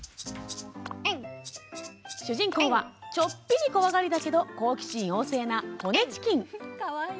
主人公はちょっぴり怖がりだけど好奇心旺盛な、ほねチキン。